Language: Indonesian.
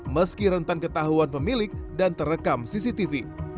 meski rentan ketahuan pemilik dan terekam cctv